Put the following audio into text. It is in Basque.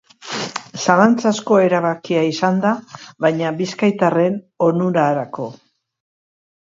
Zalantzazko erabakia izan da, baina bizkaitarren onurarako.